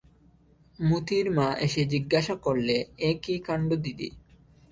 মোতির মা এসে জিজ্ঞাসা করলে, এ কী কাণ্ড দিদি?